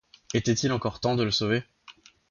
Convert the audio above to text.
Était-il encore temps de le sauver?